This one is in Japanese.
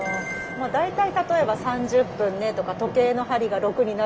大体例えば３０分ねとか時計の針が６になるまでねとか。